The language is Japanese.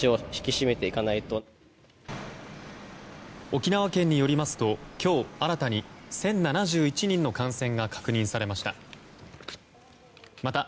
沖縄県によりますと今日、新たに１０７１人の感染が確認されました。